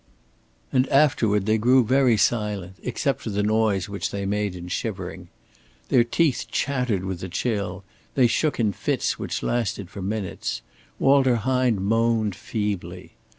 And afterward they grew very silent, except for the noise which they made in shivering. Their teeth chattered with the chill, they shook in fits which lasted for minutes, Walter Hine moaned feebly.